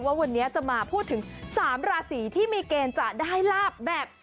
ว่าวันนี้จะมาพูดถึง๓ราศีที่มีเกณฑ์จะได้ลาบแบบ